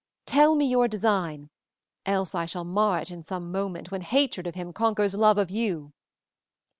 Tell me your design, else I shall mar it in some moment when hatred of him conquers love of you."